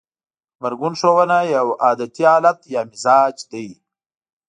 غبرګون ښودنه يو عادتي حالت يا مزاج دی.